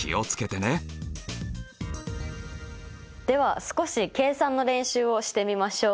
では少し計算の練習をしてみましょう。